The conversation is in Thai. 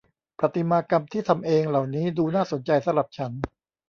ประติมากรรมที่ทำเองเหล่านี้ดูน่าสนใจสำหรับฉัน